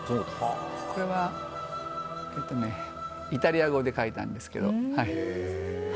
これはイタリア語で書いたんですけど。